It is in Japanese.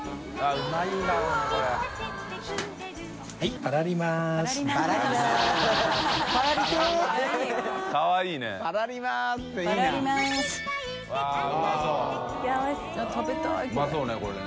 うまそうねこれね。